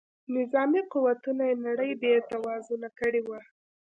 نظامي قوتونو یې نړۍ بې توازونه کړې وه.